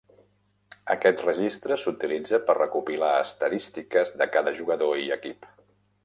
Aquest registre s'utilitza per recopilar estadístiques de cada jugador i equip.